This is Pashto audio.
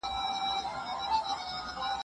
لوبه په ډېر ارام چاپیریال کې ترسره شوه.